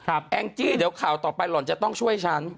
แองจี้เดี๋ยวข่าวต่อไปหล่อนจะต้องช่วยฉัน